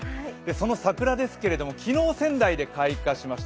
その桜ですけども昨日、仙台で開花しました。